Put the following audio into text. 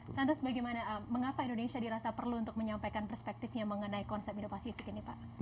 lantas bagaimana mengapa indonesia dirasa perlu untuk menyampaikan perspektifnya mengenai konsep indo pasifik ini pak